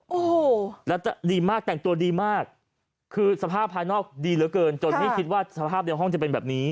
โอ้โหแล้วดีมากแต่งตัวดีมากคือสภาพภายนอกดีเหลือเกินจนไม่คิดว่าสภาพในห้องจะเป็นแบบนี้